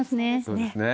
そうですね。